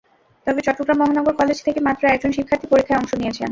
তবে চট্টগ্রাম মহানগর কলেজ থেকে মাত্র একজন শিক্ষার্থী পরীক্ষায় অংশ নিয়েছেন।